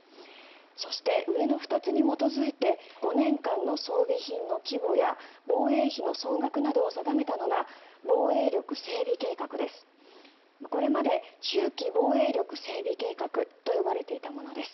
そして上の２つに基づいて５年間の装備品の規模や防衛費の総額などを定めたのが防衛力整備計画です。